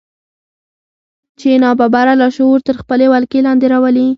چې ناببره لاشعور تر خپلې ولکې لاندې راولي.